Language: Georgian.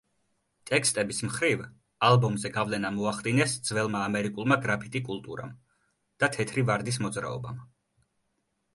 ტექსტების მხრივ, ალბომზე გავლენა მოახდინეს „ძველმა ამერიკულმა გრაფიტი კულტურამ და თეთრი ვარდის მოძრაობამ“.